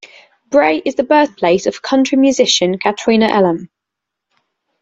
Bray is the birthplace of country musician Katrina Elam.